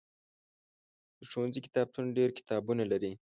د ښوونځي کتابتون ډېر کتابونه لري.